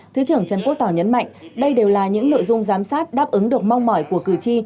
thứ trưởng trần quốc tỏ nhấn mạnh đây đều là những nội dung giám sát đáp ứng được mong mỏi của cử tri